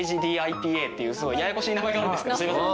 ＤＩＰＡっていうややこしい名前があるんですけどすいません。